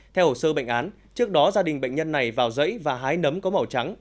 theo hồ sơ bệnh án trước đó gia đình bệnh nhân này vào rẫy và hái nấm có màu trắng